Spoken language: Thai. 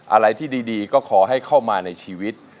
อะไรที่ดีก็ขอให้เข้ามาในชีวิต